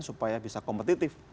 supaya bisa kompetitif